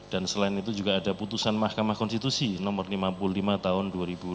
dan selain itu juga ada putusan mahkamah konstitusi nomor lima puluh lima tahun dua ribu dua puluh